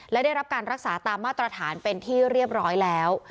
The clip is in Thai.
และได้รับการรักษาตามมาตรฐานเป็นที่เรียบร้อยแล้ว